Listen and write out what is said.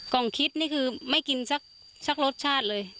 งคิดนี่คือไม่กินสักรสชาติเลย